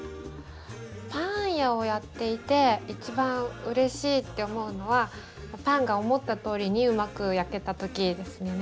パン屋をやっていていちばんうれしいって思うのはパンが思ったとおりにうまく焼けた時ですよね。